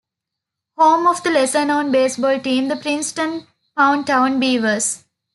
Home of the lesser known baseball team the Princeton Poundtown Beavers.